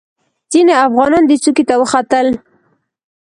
ځینې افغانان دې څوکې ته وختل.